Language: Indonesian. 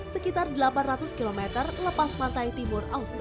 sekitar delapan ratus km lepas pantai timur australi